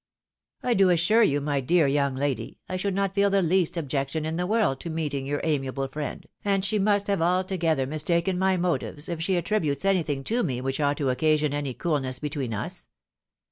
" I do assure you, my dear young lady, I should not feel the least objection in the world to meeting your amiable friend, and she must have altogether mistaken my motives, if she attributes anything to me which ought fo occasion any coolness between us.